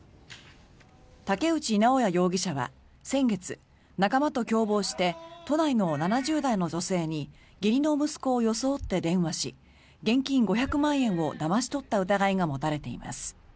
竹内直哉容疑者は、先月仲間と共謀して都内の７０代の女性に義理の息子を装って電話し現金５００万円をだまし取った疑いが持たれています。